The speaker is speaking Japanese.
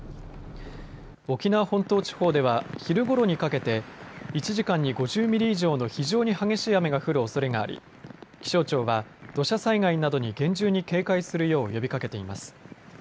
沖縄本島地方では昼ごろにかけて１時間に５０ミリ以上の非常に激しい雨が降るおそれがあり気象庁は土砂災害などに厳重に警戒するよう呼びかけています。